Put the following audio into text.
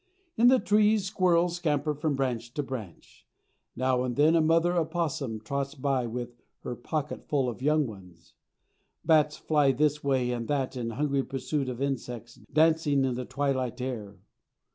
In the trees squirrels scamper from branch to branch. Now and then a mother opossum trots by with her pocket full of young ones. Bats fly this way and that in hungry pursuit of insects dancing in the twilight air.